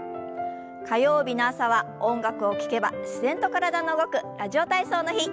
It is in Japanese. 火曜日の朝は音楽を聞けば自然と体が動く「ラジオ体操」の日。